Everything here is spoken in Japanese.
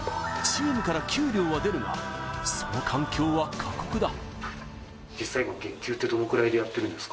チームから給料は出るがその環境は過酷だ。